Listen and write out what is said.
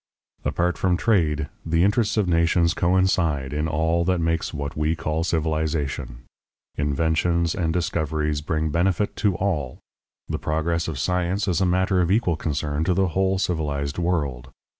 Apart from trade, the interests of nations coincide in all that makes what we call civilization. Inventions and discoveries bring benefit to all. The progress of science is a matter of equal concern to the whole civilized world.